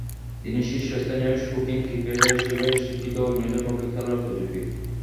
তিনি শীর্ষস্থানীয় শৌখিন ক্রিকেটার হিসেবে স্বীকৃত ও ইংল্যান্ডের পক্ষে খেলার উপযোগী।